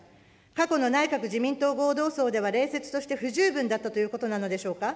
過去の内閣・自民党合同葬では礼節として不十分だったということなのでしょうか。